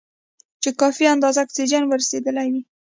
چې کافي اندازه اکسیجن ور رسېدلی وي.